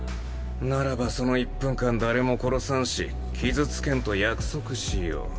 ならばその１分間誰も殺さんし傷つけんと約束しよう。